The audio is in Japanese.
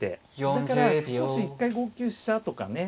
だから少し一回５九飛車とかね